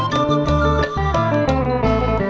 โชว์ฮีตะโครน